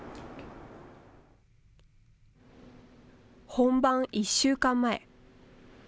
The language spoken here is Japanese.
本番１週間前。